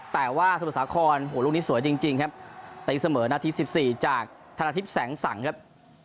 แต่ว่าสมุทรสาครลูกนี้สวยจริงครับตีเสมอนาที๑๔จากธนทิพย์แสงสังครับ